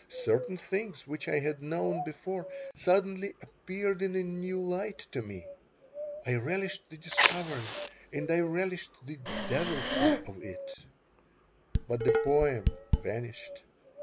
Certain things which I had known before suddenly appeared in a new light to me. I relished the discovery and I relished the deviltry of it. But the poem vanished.